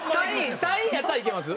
３位やったらいけます？